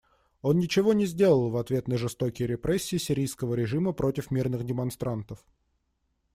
Он ничего не сделал в ответ на жестокие репрессии сирийского режима против мирных демонстрантов.